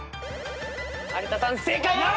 有田さん正解です！